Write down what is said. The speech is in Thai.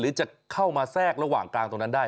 หรือจะเข้ามาแทรกระหว่างกลางตรงนั้นได้